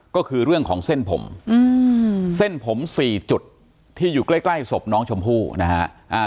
ก็คือเรื่องของเส้นผมเส้นผม๔จุดที่อยู่ใกล้ศพน้องชมพู่นะฮะ